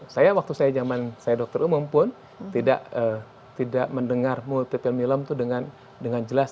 saya waktu saya zaman saya dokter umum pun tidak mendengar multiple milom itu dengan jelas